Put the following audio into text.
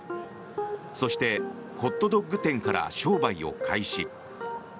そして、ホットドック店から商売を開始。